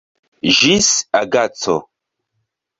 Ĝis agaco.